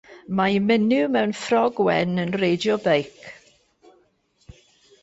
Mae menyw mewn ffrog wen yn reidio beic.